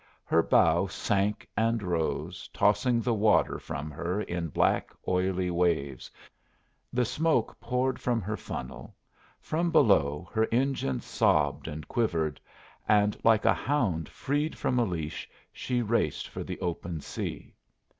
Her bow sank and rose, tossing the water from her in black, oily waves, the smoke poured from her funnel, from below her engines sobbed and quivered, and like a hound freed from a leash she raced for the open sea.